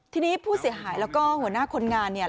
ทีนี้ผู้เสียหายแล้วก็หัวหน้าคนงานเนี่ย